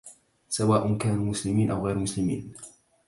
سواء كانوا مسلمين أو غير مسلمين،